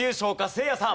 せいやさん。